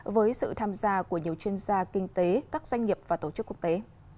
với sự tham gia của nhiều chuyên gia kinh tế các doanh nghiệp và tổ chức quốc tế